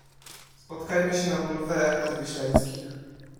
Spotkajmy się na bulwarach nadwiślańskich.